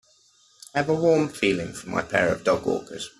I have a warm feeling for my pair of dogwalkers.